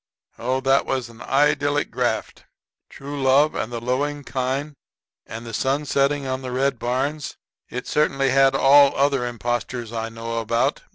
Oh, that was an idyllic graft! True love and the lowing kine and the sun shining on the red barns it certainly had all other impostures I know about beat to a batter.